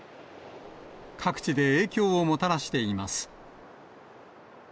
各地で影響をもたらしています。